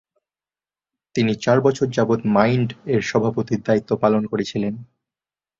তিনি চার বছর যাবৎ "মাইন্ড"-এর সভাপতির দায়িত্ব পালন করেছিলেন।